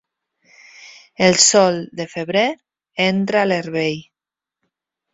El sol de febrer entra a l'herbei.